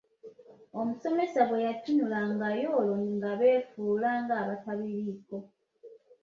Omusomesa bwe yatunulangayo olwo nga befuula nga abatabiriiko.